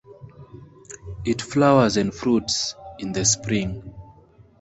It flowers and fruits in the spring.